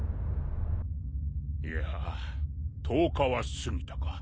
いやぁ１０日は過ぎたか。